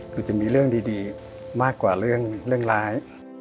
คือจะมีเรื่องดีมากกว่าเรื่องร้าย